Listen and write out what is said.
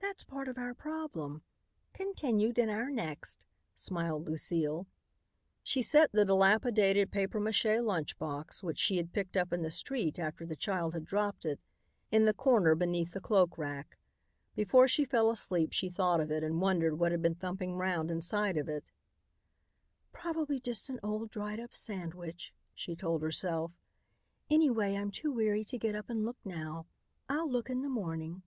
"That's part of our problem. Continued in our next," smiled Lucile. She set the dilapidated papier mache lunch box which she had picked up in the street after the child had dropped it, in the corner beneath the cloak rack. Before she fell asleep she thought of it and wondered what had been thumping round inside of it. "Probably just an old, dried up sandwich," she told herself. "Anyway, I'm too weary to get up and look now. I'll look in the morning."